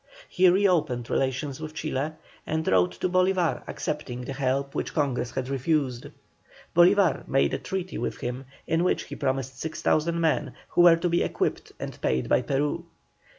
He reopened relations with Chile, and wrote to Bolívar accepting the help which Congress had refused. Bolívar made a treaty with him, in which he promised 6,000 men, who were to be equipped and paid by Peru.